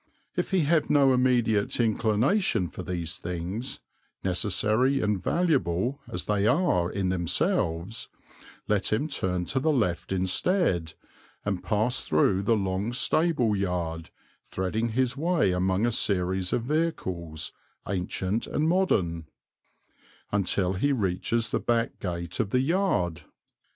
If he have no immediate inclination for these things, necessary and valuable as they are in themselves, let him turn to the left instead and pass through the long stable yard, threading his way among a series of vehicles, ancient and modern, until he reaches the back gate of the yard.